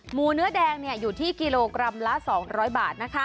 หมูเนื้อแดงอยู่ที่กิโลกรัมละ๒๐๐บาท